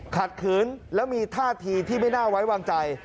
ขืนแล้วมีท่าทีที่ไม่น่าไว้วางใจ